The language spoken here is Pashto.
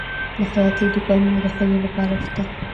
د خیاطۍ دوکانونه د ښځو لپاره شته؟